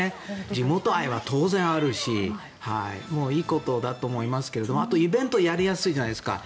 地元愛は当然あるしいいことだと思いますけれどあと、イベントをやりやすいじゃないですか。